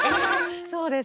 そうです。